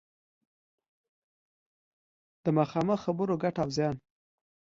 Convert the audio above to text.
د مخامخ خبرو ګټه او زیان